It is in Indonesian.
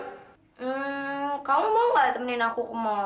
hmm kamu mau gak temenin aku ke mall